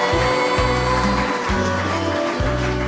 ดำเนาพ